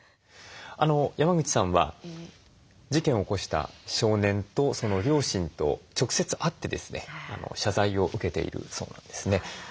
山口さんは事件を起こした少年とその両親と直接会ってですね謝罪を受けているそうなんですね。